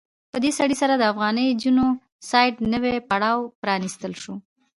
په دې سره د افغاني جینو سایډ نوی پړاو پرانستل شو.